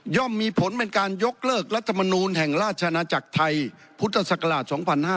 มีผลเป็นการยกเลิกรัฐมนูลแห่งราชนาจักรไทยพุทธศักราช๒๕๕๙